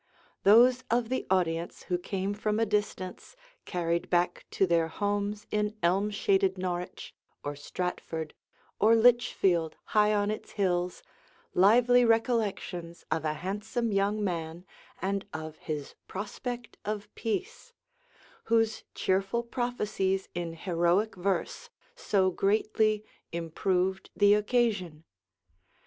Those of the audience who came from a distance carried back to their homes in elm shaded Norwich, or Stratford, or Litchfield, high on its hills, lively recollections of a handsome young man and of his 'Prospect of Peace,' whose cheerful prophecies in heroic verse so greatly "improved the occasion."